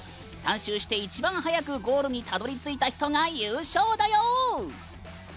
３周して一番速くゴールにたどりついた人が優勝だよ！